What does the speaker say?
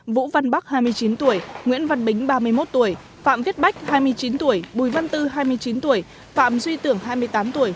vũ văn bắc hai mươi chín tuổi nguyễn văn bính ba mươi một tuổi phạm viết bách hai mươi chín tuổi bùi văn tư hai mươi chín tuổi phạm duy tưởng hai mươi tám tuổi